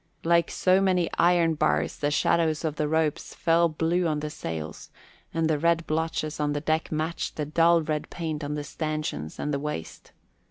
Like so many iron bars the shadows of the ropes fell blue on the sails, and the red blotches on the deck matched the dull red paint of the stanchions and the waist.